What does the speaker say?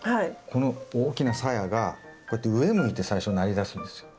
この大きなサヤがこうやって上向いて最初なりだすんですよ。